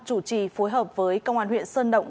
chủ trì phối hợp với công an huyện sơn động